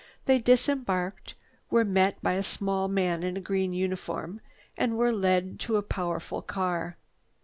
They disembarked, were met by a small man in a green uniform and were led to a powerful car.